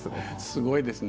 すごいですね。